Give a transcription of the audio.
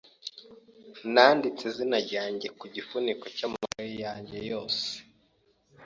Nanditse izina ryanjye ku gifuniko cy'amakaye yanjye yose.